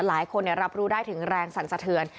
หลายคนรับรู้ได้ถึงแรงสั่นสะเทือน